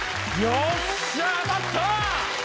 よっしゃ当たった！